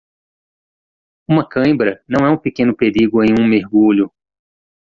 Uma cãibra não é um pequeno perigo em um mergulho.